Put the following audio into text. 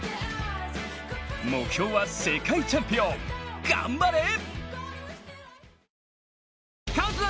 目標は世界チャンピオン頑張れ！